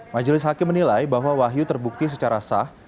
majelis hakim menilai bahwa wahyu terbukti secara sah